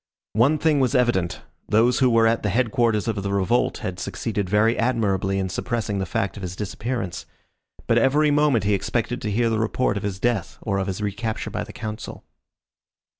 One thing was evident, those who were at the headquarters of the revolt had succeeded very admirably in suppressing the fact of his disappearance. But every moment he expected to hear the report of his death or of his recapture by the Council.